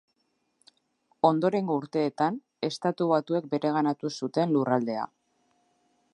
Ondorengo urteetan, Estatu Batuek bereganatu zuten lurraldea.